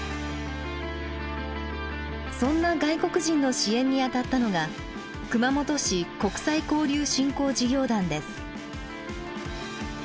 そんな外国人の支援に当たったのが熊本市国際交流振興事業団です。